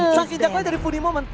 sang hijaknya jadi funny moment